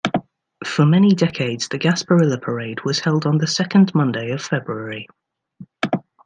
For many decades, the Gasparilla parade was held on the second Monday of February.